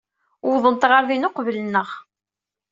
Uwḍent ɣer din uqbel-nneɣ.